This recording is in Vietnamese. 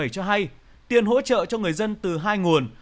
cho hay tiền hỗ trợ cho người dân từ hai nguồn